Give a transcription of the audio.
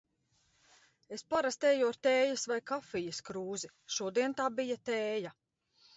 Es parasti eju ar tējas vai kafijas krūzi, šodien tā bija tēja.